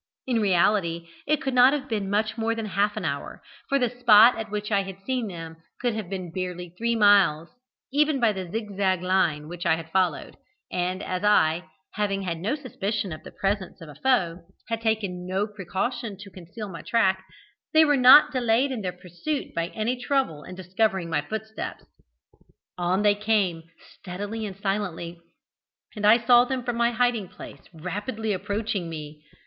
In reality it could not have been much more than half an hour, for the spot at which I had seen them could have been barely three miles, even by the zig zag line which I had followed, and as I, having had no suspicion of the presence of a foe, had taken no precaution to conceal my track, they were not delayed in their pursuit by any trouble in discovering my footsteps. On they came, steadily and silently, and I saw them from my hiding place rapidly approaching me.